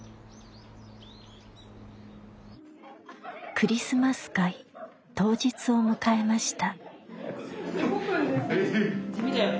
クリスマス会当日を迎えました。